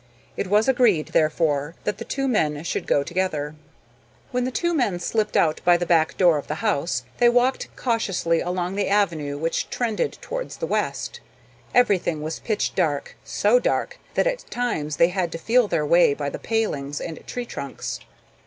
It was agreed, therefore, that the two men should go together. When the two men slipped out by the back door of the house, they walked cautiously along the avenue which trended towards the west. Everything was pitch dark so dark that at times they had to feel their way by the palings and tree trunks.